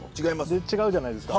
違うじゃないですか。